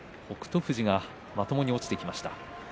富士がまともに落ちてきました。